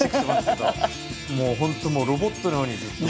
もう本当ロボットのようにずっと。